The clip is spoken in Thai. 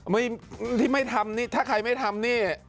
ไม่ที่ไม่ทำนี่ถ้าใครไม่ทำนี่